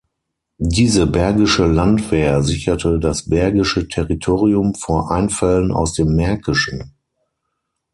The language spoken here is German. Diese Bergische Landwehr sicherte das Bergische Territorium vor Einfällen aus dem Märkischen.